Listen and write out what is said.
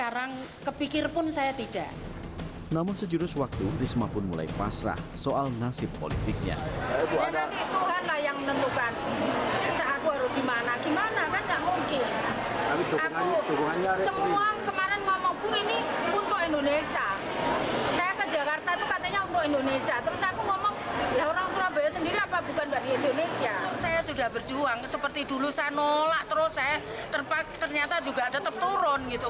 risma menjadi pembahasan kami dalam segmen editorial view berikut ini